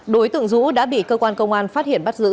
đối tượng dũ đã bị cơ quan công an phát hiện bắt giữ